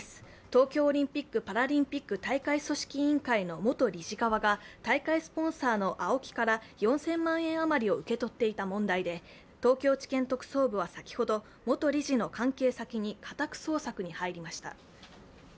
東京オリンピック・パラリンピック大会組織委員会の元理事側が大会スポンサーのＡＯＫＩから４０００万円余りを受け取っていた問題で東京地検特捜部は先ほど、元理事の関係先に家宅捜索に入りました。